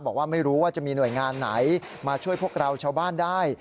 บอกว่าไม่รู้ว่าจะมีหน่วยงานไหนมาช่วยพวกเราชาวบ้านได้